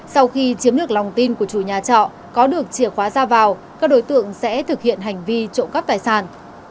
sau khi chiếm được lòng tin của chủ nhà trọ có được chìa khóa ra vào các đối tượng sẽ thực hiện hành vi trộm cắp tài sản